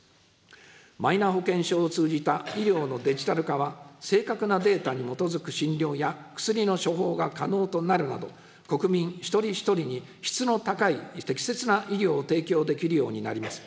マイナ保険証を通じた医療のデジタル化は、正確なデータに基づく診療や薬の処方が可能となるなど、国民一人一人に質の高い適切な医療を提供できるようになります。